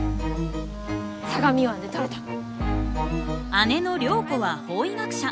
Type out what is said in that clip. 姉の涼子は法医学者。